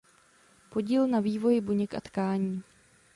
Podíl na vývoji buněk a tkání.